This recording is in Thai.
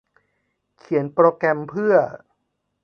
เขียนโปรแกรมเพื่อ